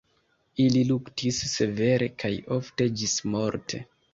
Ili luktis severe kaj ofte ĝismorte.